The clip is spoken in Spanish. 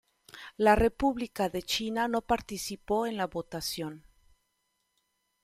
La República de China no participó en la votación.